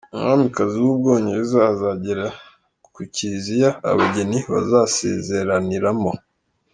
am: Umwamikazi w’u Bwongereza azagera ku Kiliziya abageni bazasezeraniramo.